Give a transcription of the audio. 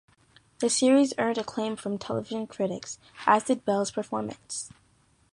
The series earned acclaim from television critics, as did Bell's performance.